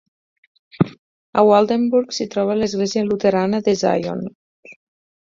A Waldenburg s'hi troba l'església luterana de Zion.